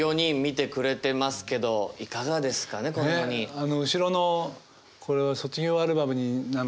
あの後ろのこれは卒業アルバムになるのかな？